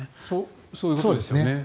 そういうことですよね。